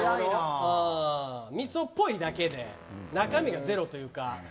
みつをっぽいだけで中身がゼロというか。